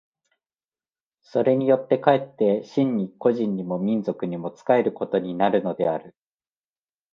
それによって却って真に個人にも民族にも仕えることになるのである。